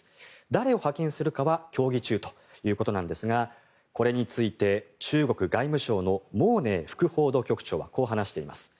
誰を派遣するかは協議中ということですがこれについて、中国外務省のモウ・ネイ副報道局長はこう話しています。